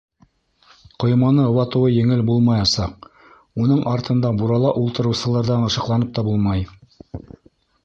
Ҡойманы ватыуы еңел булмаясаҡ, уның артында бурала ултырыусыларҙан ышыҡланып та булмай.